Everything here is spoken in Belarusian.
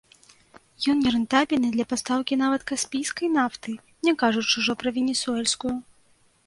Ён нерэнтабельны для пастаўкі нават каспійскай нафты, не кажучы ўжо пра венесуэльскую.